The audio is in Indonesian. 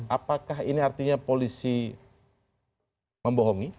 apakah ini artinya polisi membohongi